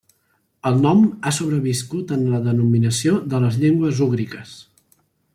El nom ha sobreviscut en la denominació de les llengües úgriques.